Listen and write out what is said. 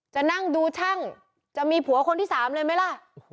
จะนั่งดูช่างจะมีผัวคนที่๓เลยไหมล่ะ